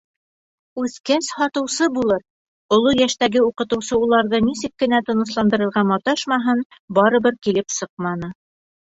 Үҫкәс һатыусы булыр, Оло йәштәге уҡытыусы уларҙы нисек кенә тынысландырырға маташмаһын, барыбер килеп сыҡманы.